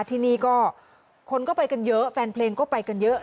ที่นี่ก็คนก็ไปกันเยอะแฟนเพลงก็ไปกันเยอะ